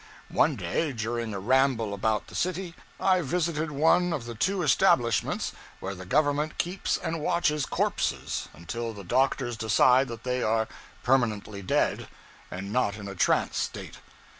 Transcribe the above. One day, during a ramble about the city, I visited one of the two establishments where the Government keeps and watches corpses until the doctors decide that they are permanently dead, and not in a trance state.